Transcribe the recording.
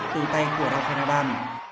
từ tay của rafa nadal